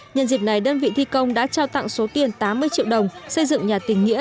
nhân dịp này đơn vị thi công đã trao tặng số tiền tám mươi triệu đồng xây dựng nhà tình nghĩa